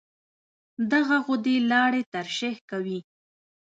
دغه غدې لاړې ترشح کوي.